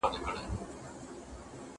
دا قلمان له هغو پاک دي.